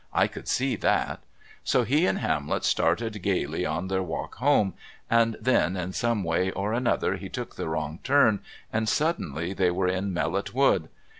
I could see that." So he and Hamlet started gaily on their walk home, and then, in some way or another, he took the wrong turn, and suddenly they were in Mellot Wood.